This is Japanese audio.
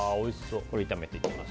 これを炒めていきます。